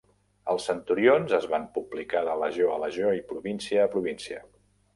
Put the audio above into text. Els centurions es van publicar de legió a legió i província a província.